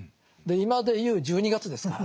今でいう１２月ですから。